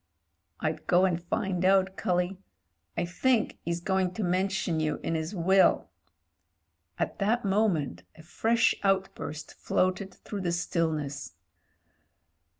"I'd go and find out, cully. I think 'e's going to mention you in 'is will." At that moment a fresh out burst floated through the stillness.